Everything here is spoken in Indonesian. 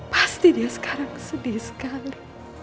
pasti dia sekarang sedih sekali